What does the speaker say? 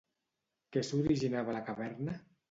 Què s'originava a la caverna?